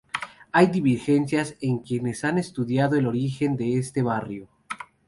Hay divergencias en quienes han estudiado el origen de este barrio.